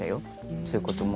そういうことも。